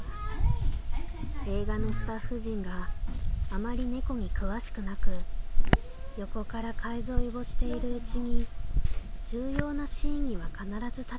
映画のスタッフ陣があまり猫に詳しくなく横から介添えをしているうちに重要なシーンには必ず立ち会うようになった」。